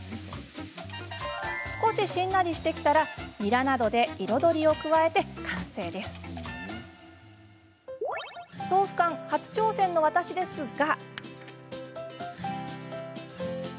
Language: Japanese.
少ししんなりしてきたらにらなどで彩りを加えて完成です。